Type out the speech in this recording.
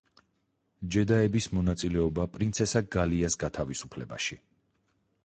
ჯედაების მონაწილეობა პრინცესა გალიას გათავისუფლებაში.